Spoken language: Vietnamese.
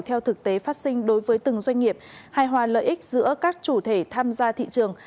theo thực tế phát sinh đối với từng doanh nghiệp hài hòa lợi ích giữa các chủ thể tham gia thị trường